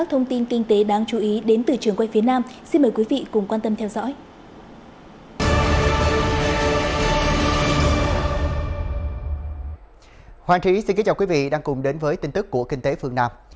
hoàng trí xin kính chào quý vị đang cùng đến với tin tức của kinh tế phương nam